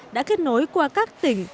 đã kết nối qua các tỉnh